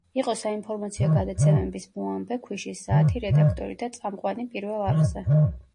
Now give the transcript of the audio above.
იყო საინფორმაციო გადაცემების „მოამბე“ „ქვიშის საათი“ რედაქტორი და წამყვანი პირველ არხზე.